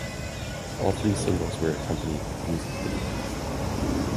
All three singles were accompanied with music videos.